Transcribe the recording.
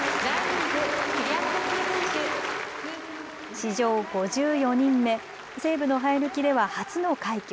史上５４人目、西武の生え抜きでは初の快挙。